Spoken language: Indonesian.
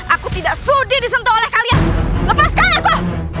aku tidak sudi disentuh oleh kalian lepaskan aku